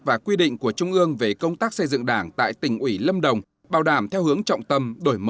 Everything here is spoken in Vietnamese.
và quy định của trung ương về công tác xây dựng đảng tại tỉnh ủy lâm đồng bảo đảm theo hướng trọng tâm